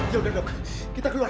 yaudah dok kita keluar